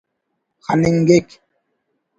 خننگک